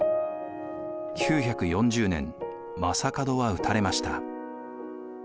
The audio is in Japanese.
９４０年将門は討たれました。